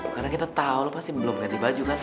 karena kita tau lo pasti belum ganti baju kan